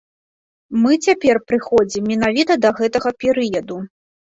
Мы цяпер прыходзім менавіта да гэтага перыяду.